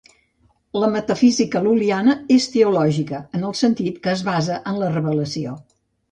La metafísica lul·liana és teològica, en el sentit que es basa en la Revelació.